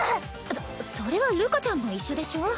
そそれはるかちゃんも一緒でしょ。